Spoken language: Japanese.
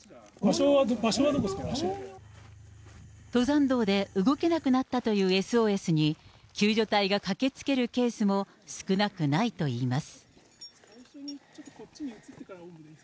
登山道で動けなくなったというＳＯＳに、救助隊が駆けつけるケースも少なくないといいます。